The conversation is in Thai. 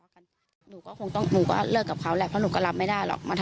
อย่างงี้มันอยู่ด้วยกันไม่ได้แล้ว